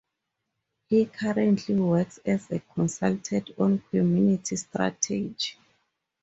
He currently works as a consultant on community strategy.